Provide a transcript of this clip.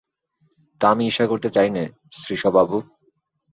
তা, আমি ঈর্ষা করতে চাই নে শ্রীশবাবু!